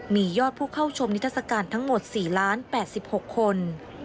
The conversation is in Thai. มียอดผู้เข้าชมนิทัศกาลทั้งหมด๔๘๖คน